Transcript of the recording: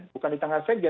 bukan di tangan sejen